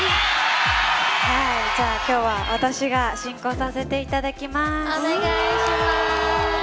今日は私が進行させていただきます。